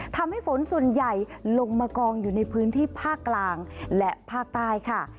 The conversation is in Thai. ทำให้ฝนส่วนใหญ่ลงมากองอยู่ในพื้นที่ภาคกลางและภาคใต้ค่ะ